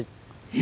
え！